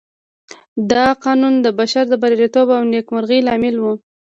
دا قانون د بشر د برياليتوب او نېکمرغۍ لامل دی.